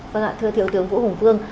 vâng ạ thưa thiếu tướng vũ hùng phương